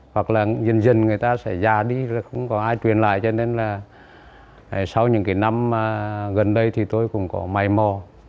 hoặc là dần dần người ta sẽ già đi không có ai truyền lại cho nên là sau những cái năm gần đây thì tôi cũng có máy mò